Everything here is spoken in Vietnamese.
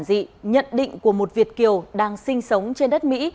để giải thích bản dị nhận định của một việt ciều đang sinh sống trên đất mỹ